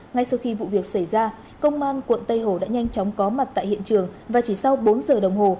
ngay sau khi vụ việc xảy ra công an quận tây hồ đã nhanh chóng có mặt tại hiện trường và chỉ sau bốn giờ đồng hồ